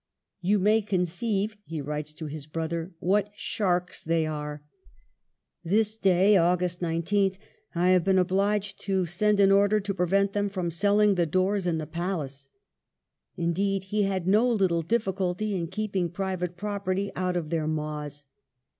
"You may conceive," he writes to his brother, "what sharks they are. This day (August 19th) I have been obliged to send an order to prevent them from selling the doors in the palace." Indeed, he had "no little difficulty " in keeping " private property " out of their maws.